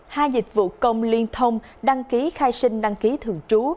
hai dịch vụ công liên thông đăng ký khai sinh đăng ký thường trú